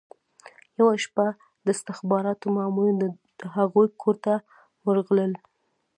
یوه شپه د استخباراتو مامورین د هغوی کور ته ورغلل